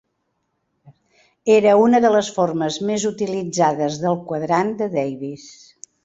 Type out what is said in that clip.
Era una de les formes més utilitzades del quadrant de Davis.